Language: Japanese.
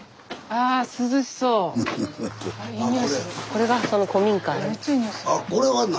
これがその古民家。